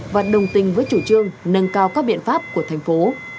và đồng tình với chủ trương nâng cao các biện pháp của thành phố